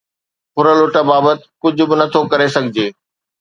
ڦرلٽ بابت ڪجهه به نه ٿو ڪري سگهجي.